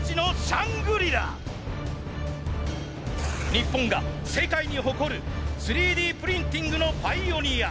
日本が世界に誇る３Ｄプリンティングのパイオニア。